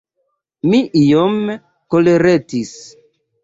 Mi iom koleretis!